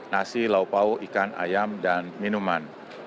nasi lauk pau ikan ayam dan minuman